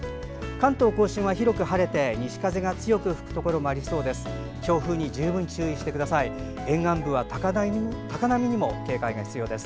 関東・甲信は広く晴れて西風が強く吹くところもありそうです。